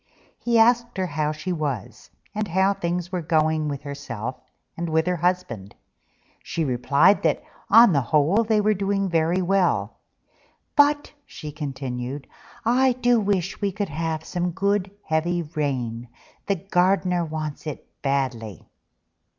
He asked her how she was, and how things were going with herself and her husband. She replied that on the whole they were doing very well: "But," she continued, "I do wish we could have some good heavy rain: the garden wants it badly."